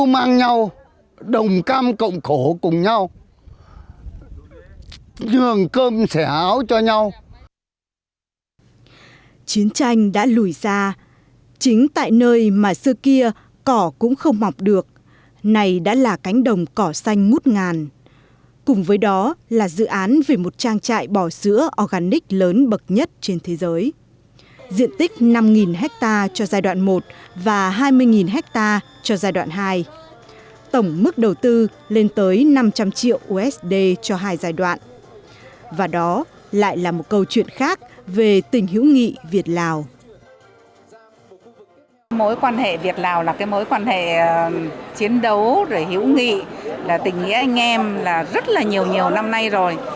mối quan hệ việt lào là cái mối quan hệ chiến đấu rồi hữu nghị là tỉnh nghĩa anh em là rất là nhiều nhiều năm nay rồi